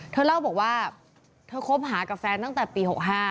เธอเล่าบอกว่าเธอคบหากับแฟนตั้งแต่ปี๖๕